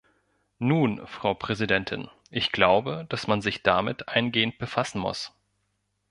Nun, Frau Präsidentin, ich glaube, dass man sich damit eingehend befassen muss.